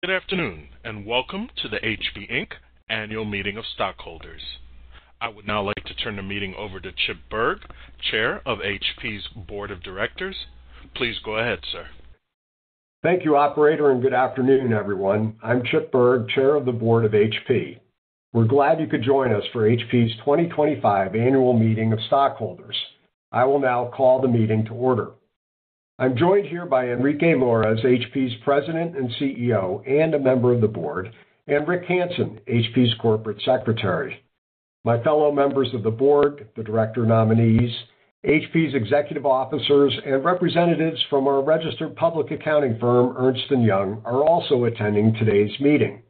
Good afternoon and welcome to the HP annual meeting of stockholders. I would now like to turn the meeting over to Chip Bergh, Chair of HP's Board of Directors. Please go ahead, sir. Thank you, Operator, and good afternoon, everyone. I'm Chip Bergh, Chair of the Board of HP. We're glad you could join us for HP's 2025 annual meeting of stockholders. I will now call the meeting to order. I'm joined here by Enrique Lores, HP's President and CEO and a member of the board, and Rick Hansen, HP's Corporate Secretary. My fellow members of the board, the director nominees, HP's executive officers, and representatives from our registered public accounting firm, Ernst & Young, are also attending today's meeting.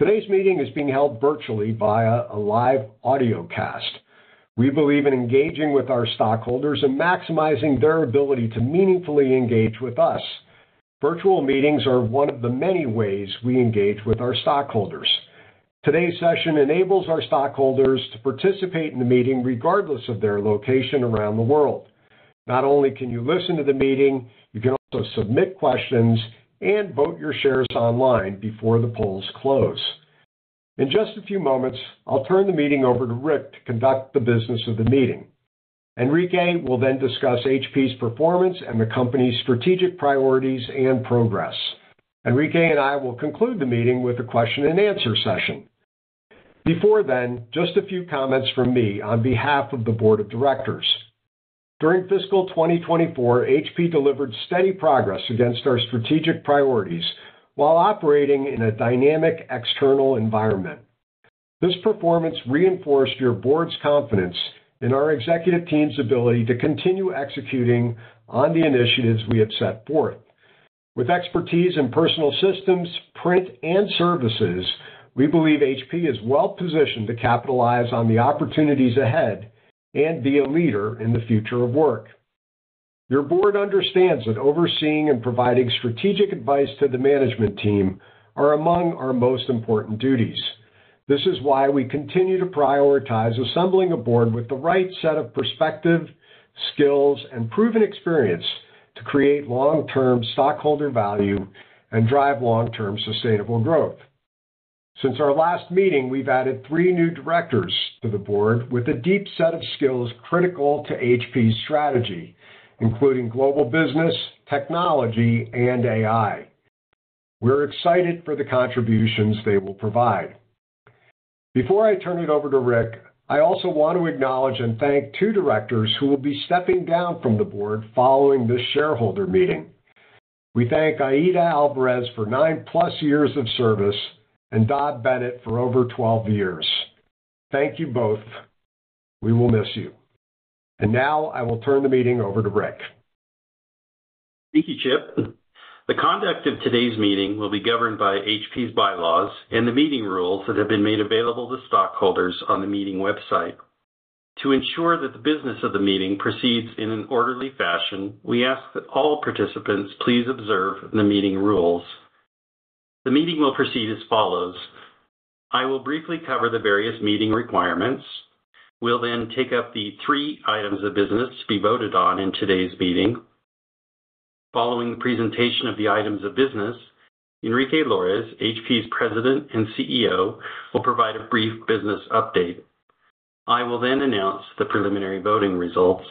Today's meeting is being held virtually via a live audio cast. We believe in engaging with our stockholders and maximizing their ability to meaningfully engage with us. Virtual meetings are one of the many ways we engage with our stockholders. Today's session enables our stockholders to participate in the meeting regardless of their location around the world. Not only can you listen to the meeting, you can also submit questions and vote your shares online before the polls close. In just a few moments, I'll turn the meeting over to Rick to conduct the business of the meeting. Enrique will then discuss HP's performance and the company's strategic priorities and progress. Enrique and I will conclude the meeting with a question-and-answer session. Before then, just a few comments from me on behalf of the Board of Directors. During fiscal 2024, HP delivered steady progress against our strategic priorities while operating in a dynamic external environment. This performance reinforced your board's confidence in our executive team's ability to continue executing on the initiatives we have set forth. With expertise in personal systems, print, and services, we believe HP is well positioned to capitalize on the opportunities ahead and be a leader in the future of work. Your board understands that overseeing and providing strategic advice to the management team are among our most important duties. This is why we continue to prioritize assembling a board with the right set of perspective, skills, and proven experience to create long-term stockholder value and drive long-term sustainable growth. Since our last meeting, we've added three new directors to the board with a deep set of skills critical to HP's strategy, including global business, technology, and AI. We're excited for the contributions they will provide. Before I turn it over to Rick, I also want to acknowledge and thank two directors who will be stepping down from the board following this shareholder meeting. We thank Aida Alvarez for nine-plus years of service and Dob Bennett for over 12 years. Thank you both. We will miss you. I will now turn the meeting over to Rick. Thank you, Chip. The conduct of today's meeting will be governed by HP's bylaws and the meeting rules that have been made available to stockholders on the meeting website. To ensure that the business of the meeting proceeds in an orderly fashion, we ask that all participants please observe the meeting rules. The meeting will proceed as follows. I will briefly cover the various meeting requirements. We'll then take up the three items of business to be voted on in today's meeting. Following the presentation of the items of business, Enrique Lores, HP's President and CEO, will provide a brief business update. I will then announce the preliminary voting results.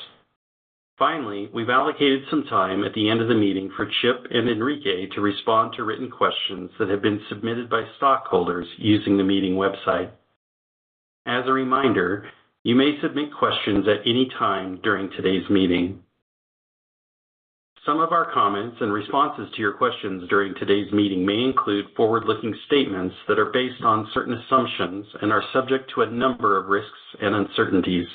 Finally, we've allocated some time at the end of the meeting for Chip and Enrique to respond to written questions that have been submitted by stockholders using the meeting website. As a reminder, you may submit questions at any time during today's meeting. Some of our comments and responses to your questions during today's meeting may include forward-looking statements that are based on certain assumptions and are subject to a number of risks and uncertainties.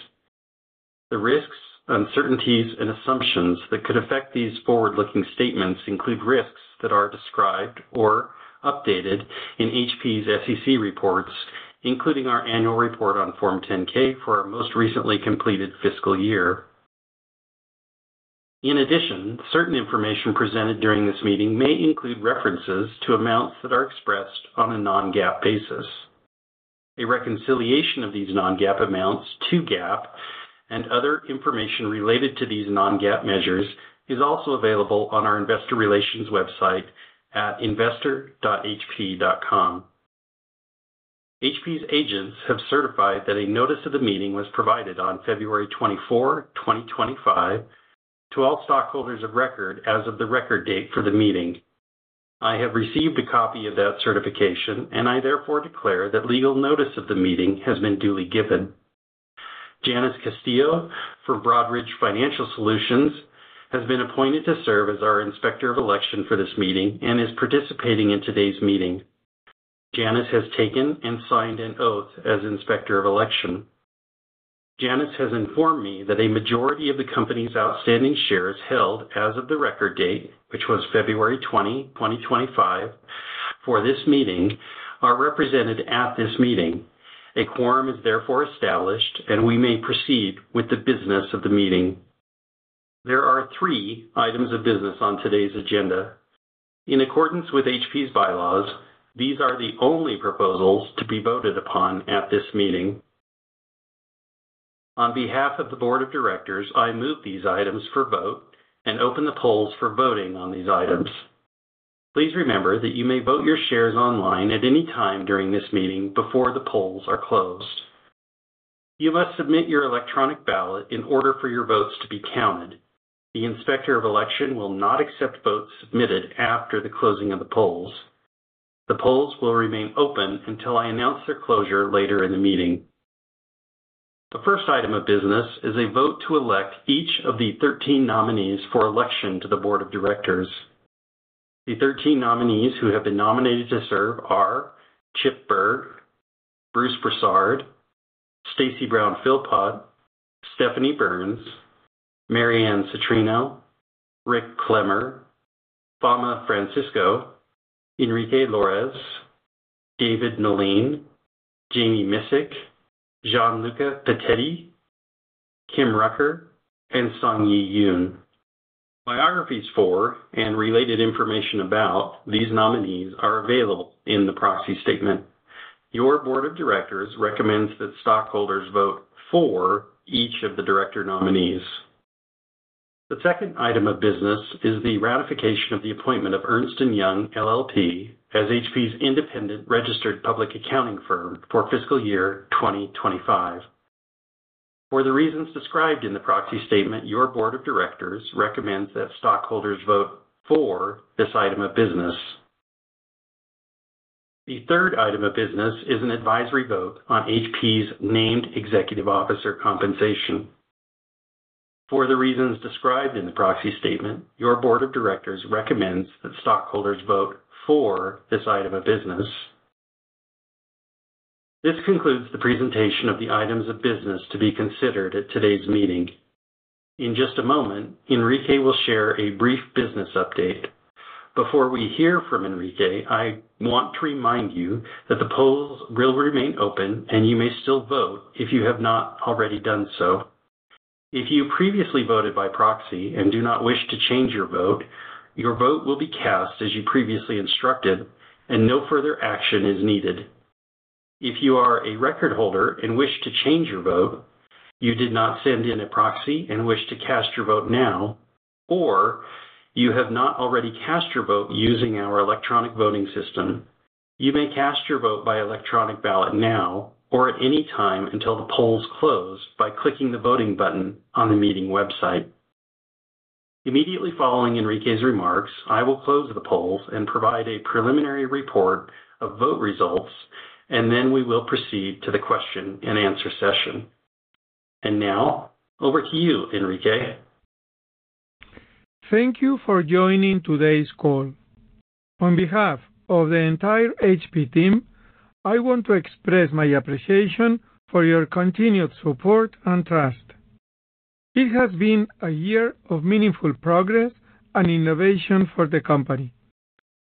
The risks, uncertainties, and assumptions that could affect these forward-looking statements include risks that are described or updated in HP's SEC reports, including our annual report on Form 10-K for our most recently completed fiscal year. In addition, certain information presented during this meeting may include references to amounts that are expressed on a non-GAAP basis. A reconciliation of these non-GAAP amounts to GAAP and other information related to these non-GAAP measures is also available on our investor relations website at investor.hp.com. HP's agents have certified that a notice of the meeting was provided on February 24, 2025, to all stockholders of record as of the record date for the meeting. I have received a copy of that certification, and I therefore declare that legal notice of the meeting has been duly given. Janice Castillo from Broadridge Financial Solutions has been appointed to serve as our inspector of election for this meeting and is participating in today's meeting. Janice has taken and signed an oath as inspector of election. Janice has informed me that a majority of the company's outstanding shares held as of the record date, which was February 20, 2025, for this meeting are represented at this meeting. A quorum is therefore established, and we may proceed with the business of the meeting. There are three items of business on today's agenda. In accordance with HP's bylaws, these are the only proposals to be voted upon at this meeting. On behalf of the Board of Directors, I move these items for vote and open the polls for voting on these items. Please remember that you may vote your shares online at any time during this meeting before the polls are closed. You must submit your electronic ballot in order for your votes to be counted. The inspector of election will not accept votes submitted after the closing of the polls. The polls will remain open until I announce their closure later in the meeting. The first item of business is a vote to elect each of the 13 nominees for election to the Board of Directors. The 13 nominees who have been nominated to serve are Chip Bergh, Bruce Broussard, Stacy Brown-Philpott, Stephanie Burns, Mary Anne Citrino, Rick Clemmer, Fama Francisco, Enrique Lores, David Meline, Jami Miscik, Gianluca Pettiti, Kim Rucker, and Songyee Yoon. Biographies for and related information about these nominees are available in the proxy statement. Your Board of Directors recommends that stockholders vote for each of the director nominees. The second item of business is the ratification of the appointment of Ernst & Young, LLP, as HP's independent registered public accounting firm for fiscal year 2025. For the reasons described in the proxy statement, your Board of Directors recommends that stockholders vote for this item of business. The third item of business is an advisory vote on HP's named executive officer compensation. For the reasons described in the proxy statement, your Board of Directors recommends that stockholders vote for this item of business. This concludes the presentation of the items of business to be considered at today's meeting. In just a moment, Enrique will share a brief business update. Before we hear from Enrique, I want to remind you that the polls will remain open, and you may still vote if you have not already done so. If you previously voted by proxy and do not wish to change your vote, your vote will be cast as you previously instructed, and no further action is needed. If you are a record holder and wish to change your vote, you did not send in a proxy and wish to cast your vote now, or you have not already cast your vote using our electronic voting system, you may cast your vote by electronic ballot now or at any time until the polls close by clicking the voting button on the meeting website. Immediately following Enrique's remarks, I will close the polls and provide a preliminary report of vote results, and we will proceed to the question-and-answer session. Now, over to you, Enrique. Thank you for joining today's call. On behalf of the entire HP team, I want to express my appreciation for your continued support and trust. It has been a year of meaningful progress and innovation for the company.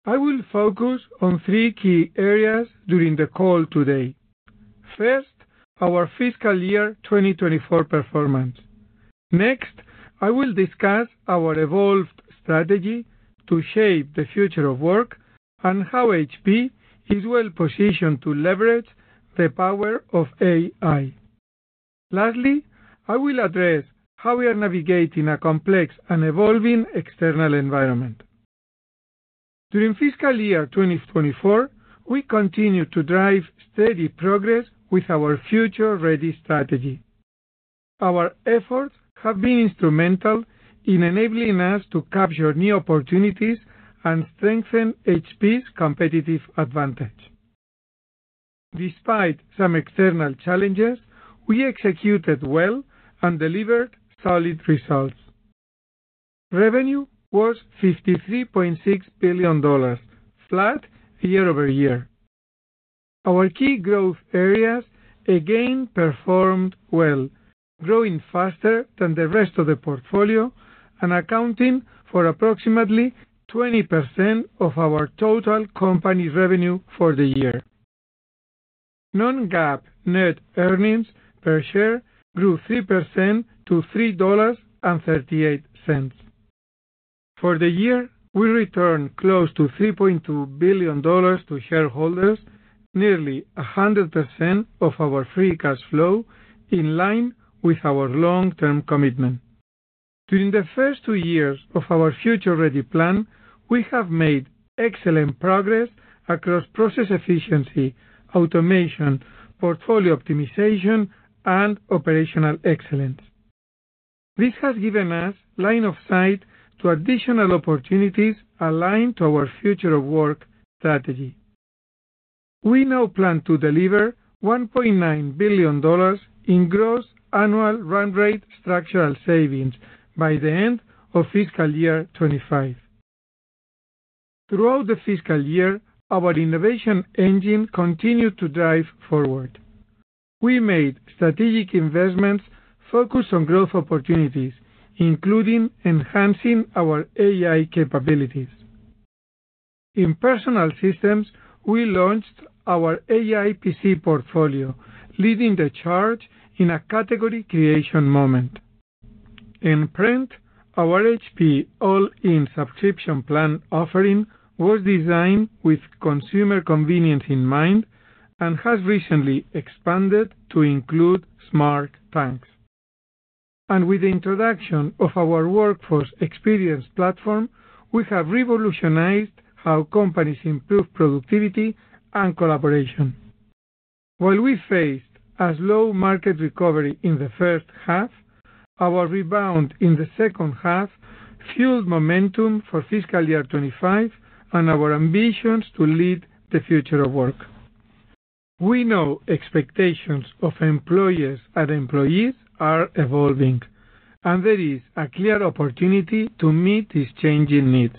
I will focus on three key areas during the call today. First, our fiscal year 2024 performance. Next, I will discuss our evolved strategy to shape the future of work and how HP is well positioned to leverage the power of AI. Lastly, I will address how we are navigating a complex and evolving external environment. During fiscal year 2024, we continue to drive steady progress with our future-ready strategy. Our efforts have been instrumental in enabling us to capture new opportunities and strengthen HP's competitive advantage. Despite some external challenges, we executed well and delivered solid results. Revenue was $53.6 billion, flat year over year. Our key growth areas again performed well, growing faster than the rest of the portfolio and accounting for approximately 20% of our total company revenue for the year. Non-GAAP net earnings per share grew 3% to $3.38. For the year, we returned close to $3.2 billion to shareholders, nearly 100% of our free cash flow, in line with our long-term commitment. During the first two years of our future-ready plan, we have made excellent progress across process efficiency, automation, portfolio optimization, and operational excellence. This has given us line of sight to additional opportunities aligned to our future of work strategy. We now plan to deliver $1.9 billion in gross annual run rate structural savings by the end of fiscal year 2025. Throughout the fiscal year, our innovation engine continued to drive forward. We made strategic investments focused on growth opportunities, including enhancing our AI capabilities. In personal systems, we launched our AI PC portfolio, leading the charge in a category creation moment. In print, our HP All-In Subscription plan offering was designed with consumer convenience in mind and has recently expanded to include Smart Tanks. With the introduction of our Workforce Experience Platform, we have revolutionized how companies improve productivity and collaboration. While we faced a slow market recovery in the first half, our rebound in the second half fueled momentum for fiscal year 2025 and our ambitions to lead the future of work. We know expectations of employers and employees are evolving, and there is a clear opportunity to meet these changing needs.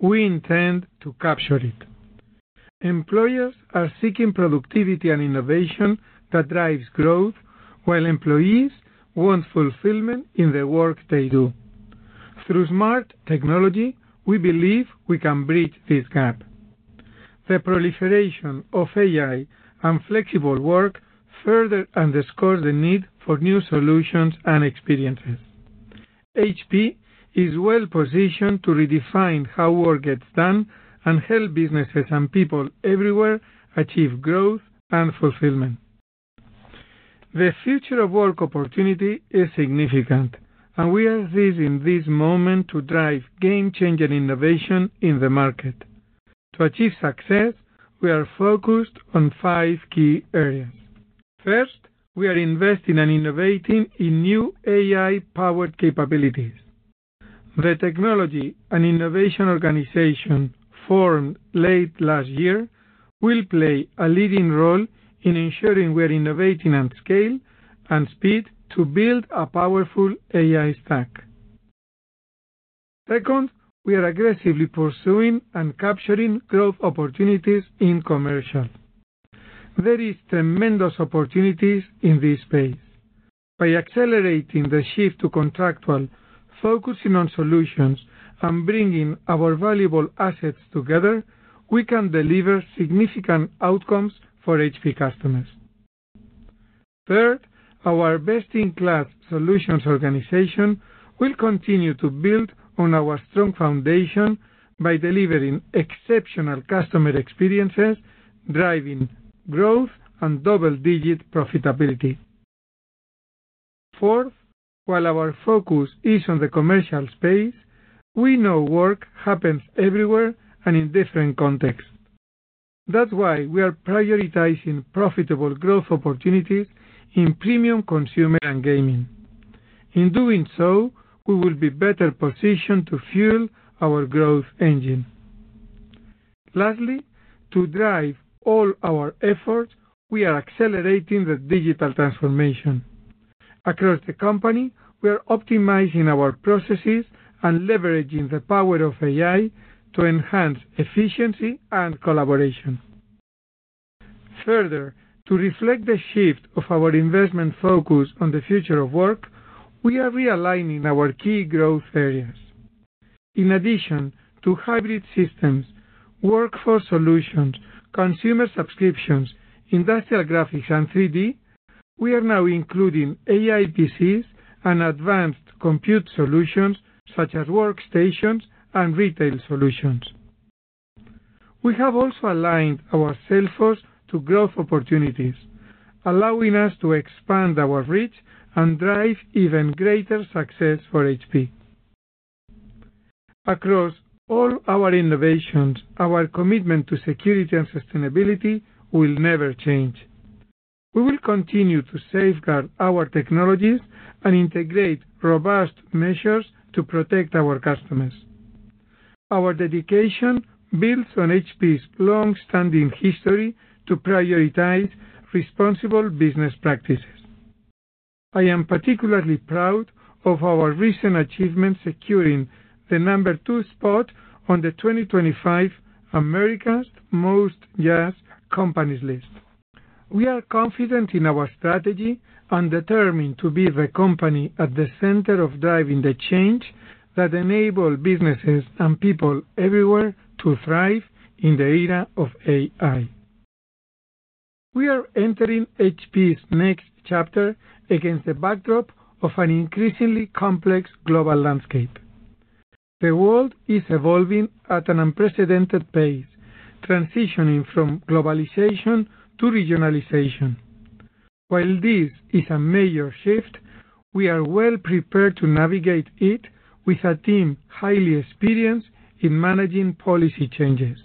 We intend to capture it. Employers are seeking productivity and innovation that drives growth, while employees want fulfillment in the work they do. Through smart technology, we believe we can bridge this gap. The proliferation of AI and flexible work further underscores the need for new solutions and experiences. HP is well positioned to redefine how work gets done and help businesses and people everywhere achieve growth and fulfillment. The future of work opportunity is significant, and we are seizing this moment to drive game-changing innovation in the market. To achieve success, we are focused on five key areas. First, we are investing and innovating in new AI-powered capabilities. The technology and innovation organization formed late last year will play a leading role in ensuring we are innovating at scale and speed to build a powerful AI stack. Second, we are aggressively pursuing and capturing growth opportunities in commercial. There are tremendous opportunities in this space. By accelerating the shift to contractual, focusing on solutions, and bringing our valuable assets together, we can deliver significant outcomes for HP customers. Third, our best-in-class solutions organization will continue to build on our strong foundation by delivering exceptional customer experiences, driving growth and double-digit profitability. Fourth, while our focus is on the commercial space, we know work happens everywhere and in different contexts. That's why we are prioritizing profitable growth opportunities in premium consumer and gaming. In doing so, we will be better positioned to fuel our growth engine. Lastly, to drive all our efforts, we are accelerating the digital transformation. Across the company, we are optimizing our processes and leveraging the power of AI to enhance efficiency and collaboration. Further, to reflect the shift of our investment focus on the future of work, we are realigning our key growth areas. In addition to hybrid systems, workforce solutions, consumer subscriptions, industrial graphics, and 3D, we are now including AI PCs and advanced compute solutions such as workstations and retail solutions. We have also aligned our sales force to growth opportunities, allowing us to expand our reach and drive even greater success for HP. Across all our innovations, our commitment to security and sustainability will never change. We will continue to safeguard our technologies and integrate robust measures to protect our customers. Our dedication builds on HP's long-standing history to prioritize responsible business practices. I am particularly proud of our recent achievement, securing the number two spot on the 2025 America's Most JUST Companies list. We are confident in our strategy and determined to be the company at the center of driving the change that enables businesses and people everywhere to thrive in the era of AI. We are entering HP's next chapter against the backdrop of an increasingly complex global landscape. The world is evolving at an unprecedented pace, transitioning from globalization to regionalization. While this is a major shift, we are well prepared to navigate it with a team highly experienced in managing policy changes.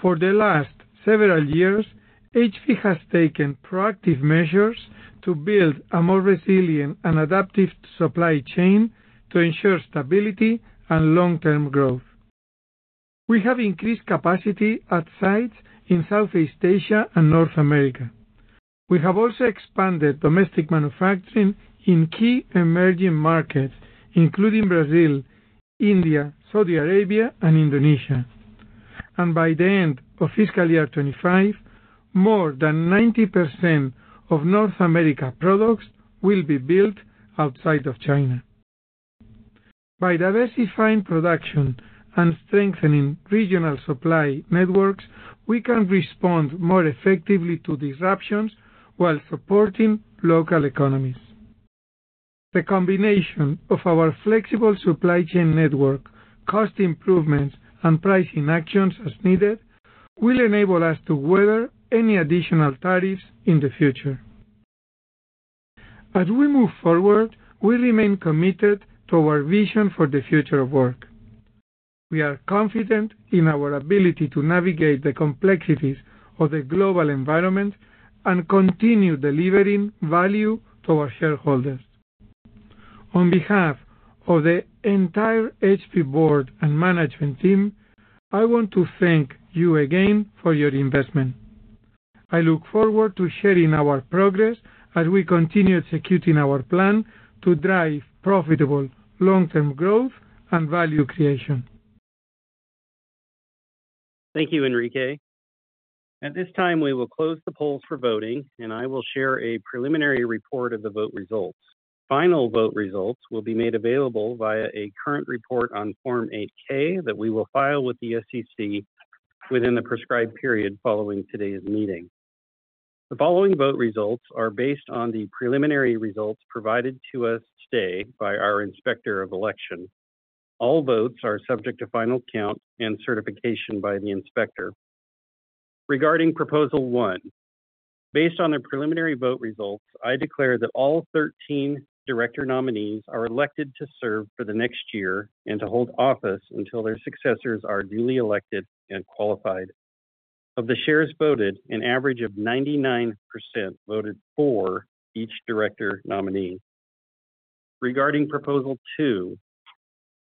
For the last several years, HP has taken proactive measures to build a more resilient and adaptive supply chain to ensure stability and long-term growth. We have increased capacity at sites in Southeast Asia and North America. We have also expanded domestic manufacturing in key emerging markets, including Brazil, India, Saudi Arabia, and Indonesia. By the end of fiscal year 2025, more than 90% of North America products will be built outside of China. By diversifying production and strengthening regional supply networks, we can respond more effectively to disruptions while supporting local economies. The combination of our flexible supply chain network, cost improvements, and pricing actions as needed will enable us to weather any additional tariffs in the future. As we move forward, we remain committed to our vision for the future of work. We are confident in our ability to navigate the complexities of the global environment and continue delivering value to our shareholders. On behalf of the entire HP board and management team, I want to thank you again for your investment. I look forward to sharing our progress as we continue executing our plan to drive profitable long-term growth and value creation. Thank you, Enrique. At this time, we will close the polls for voting, and I will share a preliminary report of the vote results. Final vote results will be made available via a current report on Form 8-K that we will file with the SEC within the prescribed period following today's meeting. The following vote results are based on the preliminary results provided to us today by our inspector of election. All votes are subject to final count and certification by the inspector. Regarding Proposal 1, based on the preliminary vote results, I declare that all 13 director nominees are elected to serve for the next year and to hold office until their successors are duly elected and qualified. Of the shares voted, an average of 99% voted for each director nominee. Regarding Proposal 2,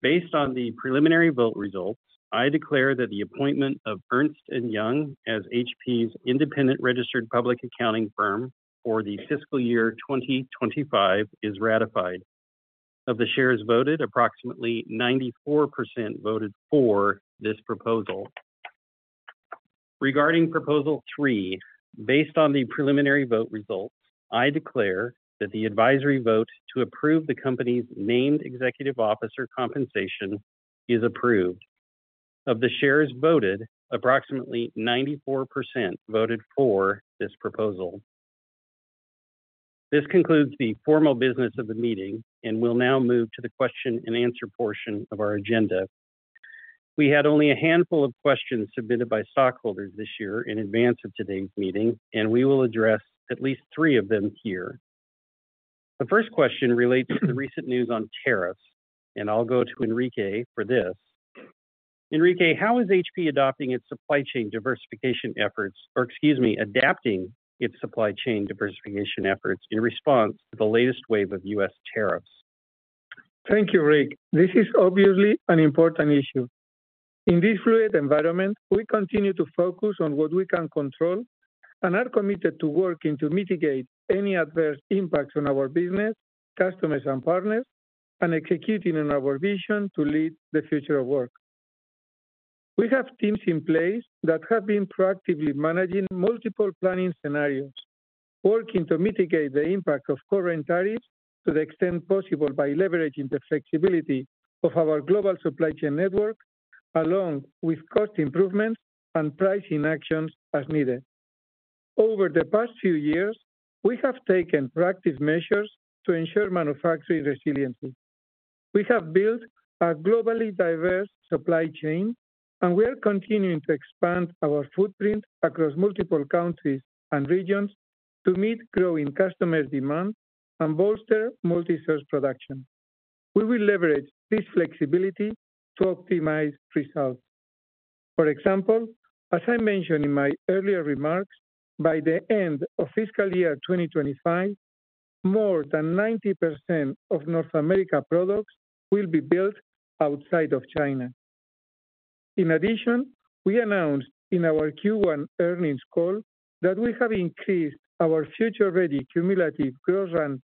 based on the preliminary vote results, I declare that the appointment of Ernst & Young as HP's independent registered public accounting firm for the fiscal year 2025 is ratified. Of the shares voted, approximately 94% voted for this proposal. Regarding Proposal 3, based on the preliminary vote results, I declare that the advisory vote to approve the company's named executive officer compensation is approved. Of the shares voted, approximately 94% voted for this proposal. This concludes the formal business of the meeting and we will now move to the question-and-answer portion of our agenda. We had only a handful of questions submitted by stockholders this year in advance of today's meeting, and we will address at least three of them here. The first question relates to the recent news on tariffs, and I'll go to Enrique for this. Enrique, how is HP adapting its supply chain diversification efforts in response to the latest wave of U.S. tariffs? Thank you, Rick. This is obviously an important issue. In this fluid environment, we continue to focus on what we can control and are committed to working to mitigate any adverse impacts on our business, customers, and partners, and executing on our vision to lead the future of work. We have teams in place that have been proactively managing multiple planning scenarios, working to mitigate the impact of current tariffs to the extent possible by leveraging the flexibility of our global supply chain network, along with cost improvements and pricing actions as needed. Over the past few years, we have taken proactive measures to ensure manufacturing resiliency. We have built a globally diverse supply chain, and we are continuing to expand our footprint across multiple countries and regions to meet growing customer demand and bolster multi-source production. We will leverage this flexibility to optimize results. For example, as I mentioned in my earlier remarks, by the end of fiscal year 2025, more than 90% of North America products will be built outside of China. In addition, we announced in our Q1 earnings call that we have increased our future-ready cumulative gross run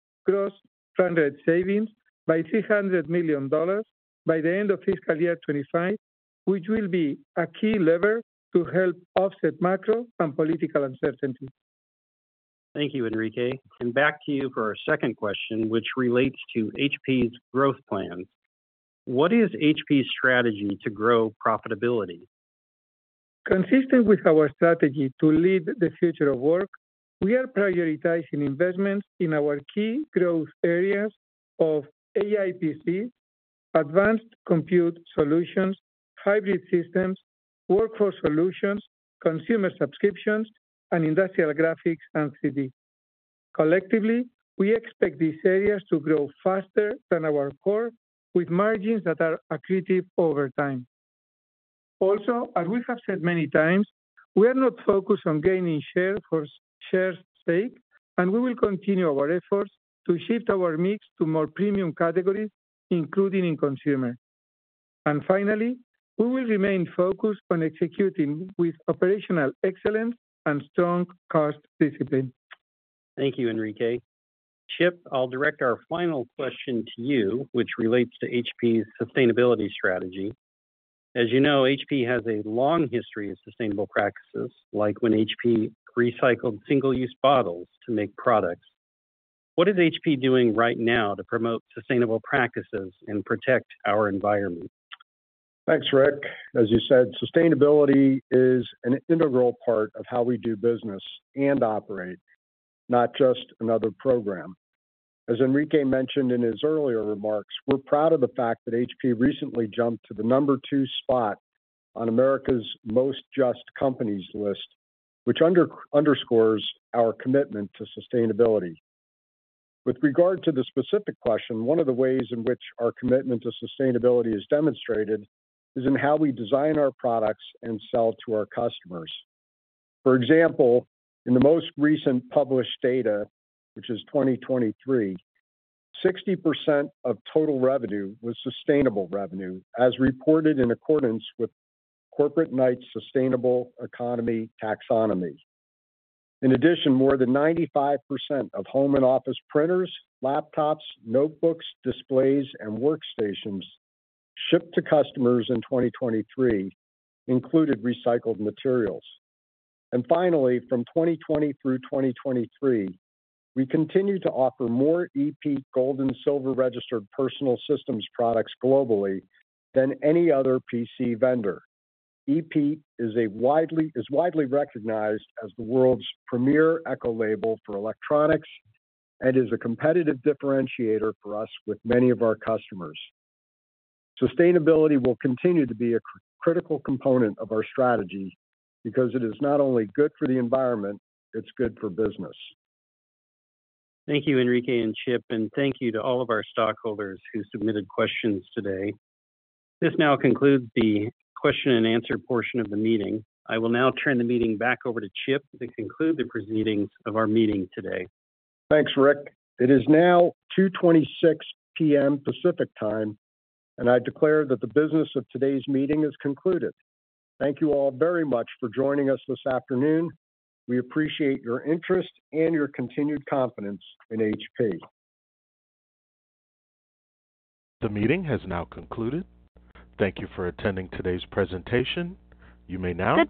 rate savings by $300 million by the end of fiscal year 2025, which will be a key lever to help offset macro and political uncertainty. Thank you, Enrique. Back to you for our second question, which relates to HP's growth plans. What is HP's strategy to grow profitability? Consistent with our strategy to lead the future of work, we are prioritizing investments in our key growth areas of AI PCs, advanced compute solutions, hybrid systems, workforce solutions, consumer subscriptions, and industrial graphics and 3D. Collectively, we expect these areas to grow faster than our core, with margins that are accretive over time. Also, as we have said many times, we are not focused on gaining shares for shares' sake, and we will continue our efforts to shift our mix to more premium categories, including in consumer. Finally, we will remain focused on executing with operational excellence and strong cost discipline. Thank you, Enrique. Chip, I'll direct our final question to you, which relates to HP's sustainability strategy. As you know, HP has a long history of sustainable practices, like when HP recycled single-use bottles to make products. What is HP doing right now to promote sustainable practices and protect our environment? Thanks, Rick. As you said, sustainability is an integral part of how we do business and operate, not just another program. As Enrique mentioned in his earlier remarks, we're proud of the fact that HP recently jumped to the number two spot on America's Most JUST Companies list, which underscores our commitment to sustainability. With regard to the specific question, one of the ways in which our commitment to sustainability is demonstrated is in how we design our products and sell to our customers. For example, in the most recent published data, which is 2023, 60% of total revenue was sustainable revenue, as reported in accordance with Corporate Knights' Sustainable Economy Taxonomy. In addition, more than 95% of home and office printers, laptops, notebooks, displays, and workstations shipped to customers in 2023 included recycled materials. Finally, from 2020 through 2023, we continue to offer more EPEAT Gold and Silver registered personal systems products globally than any other PC vendor. EPEAT is widely recognized as the world's premier eco-label for electronics and is a competitive differentiator for us with many of our customers. Sustainability will continue to be a critical component of our strategy because it is not only good for the environment, it is good for business. Thank you, Enrique and Chip, and thank you to all of our stockholders who submitted questions today. This now concludes the question-and-answer portion of the meeting. I will now turn the meeting back over to Chip to conclude the proceedings of our meeting today. Thanks, Rick. It is now 2:26 P.M. Pacific Time, and I declare that the business of today's meeting is concluded. Thank you all very much for joining us this afternoon. We appreciate your interest and your continued confidence in HP. The meeting has now concluded. Thank you for attending today's presentation. You may now.